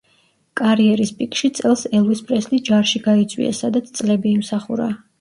კარიერის პიკში წელს ელვის პრესლი ჯარში გაიწვიეს, სადაც წლები იმსახურა.